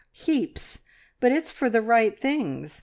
Heaps! But it's for the right things.